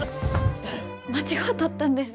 間違うとったんです。